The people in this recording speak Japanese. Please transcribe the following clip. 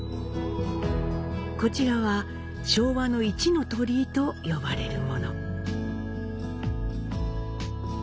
こちらは昭和の一の鳥居と呼ばれるもの。